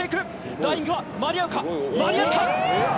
ライン際は間に合うか、間に合った！